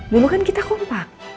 dulu kan kita kompak